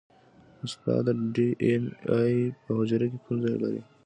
استاده ډي این اې په حجره کې کوم ځای لري